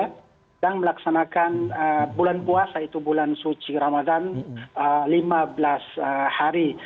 sedang melaksanakan bulan puasa itu bulan suci ramadan lima belas hari